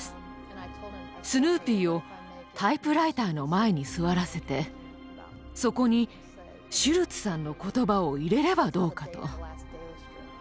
スヌーピーをタイプライターの前に座らせてそこにシュルツさんの言葉を入れればどうかと。